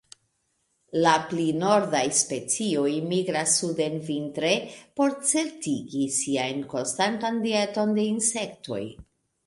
La pli nordaj specioj migras suden vintre, por certigi siajn konstantan dieton de insektoj.